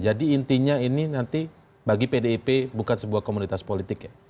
jadi intinya ini nanti bagi pdip bukan sebuah komunitas politik ya